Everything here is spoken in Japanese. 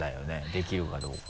できるかどうか。